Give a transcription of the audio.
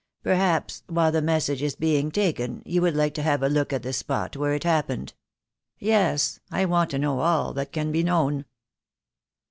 Perhaps, while the message is being taken, you would like to have a look at the spot where it happened?" "Yes. I want to know all that can be known."